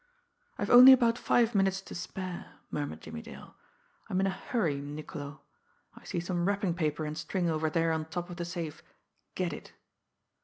"I've only about five minutes to spare," murmured Jimmie Dale. "I'm in a hurry, Niccolo. I see some wrapping paper and string over there on top of the safe. Get it!"